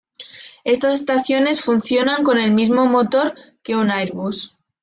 Estas estaciones funcionan con el mismo motor que un Airbus.